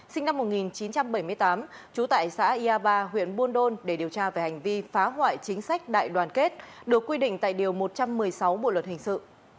sinh năm một nghìn chín trăm bảy mươi tám trú tại xã yà ba huyện buôn đôn để điều tra về hành vi phá hoại chính sách đại đoàn kết được quy định tại điều một trăm một mươi sáu bộ luật hình sự